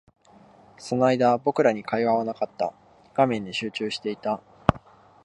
その間、僕らに会話はなかった。画面に集中していた。